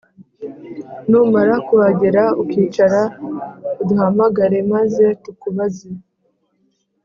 Numara kuhagera ukicara uduhamagare maze tukubaze